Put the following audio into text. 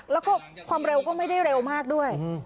แล้วก็ความเร็วก็ไม่ได้เร็วมากด้วย